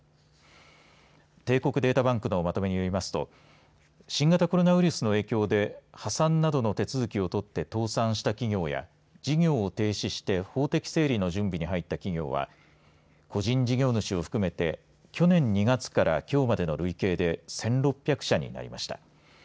帝国データバンクのまとめによりますと新型コロナウイルスの影響で破産などの手続きを取って倒産した企業や事業を停止して法的整理の準備に入って企業は個人事業主を含めて去年２月からきょうまでの累計で１６００社になりました。